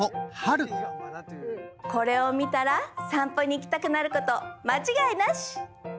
これを見たら散歩に行きたくなること間違いなし！